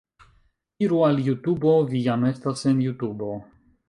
Iru al Jutubo... vi jam estas en Jutubo